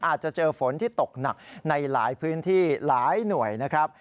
อาจจะเจอฝนที่ตกหนักในหลายพื้นที่หลายหน่วยนะครับ